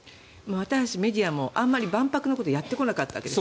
私たちメディアもあまり万博のことをやってこなかったわけです。